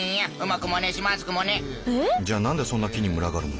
じゃあなんでそんな木に群がるの？